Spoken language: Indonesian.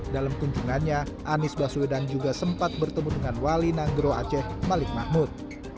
dalam kunjungannya anies baswedan juga sempat bertemu dengan wali nanggero aceh malik mahmud